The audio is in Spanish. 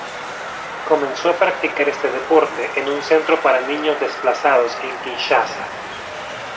Comenzó a practicar este deporte en un centro para niños desplazados en Kinshasa.